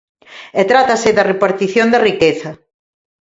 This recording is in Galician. E trátase da repartición da riqueza.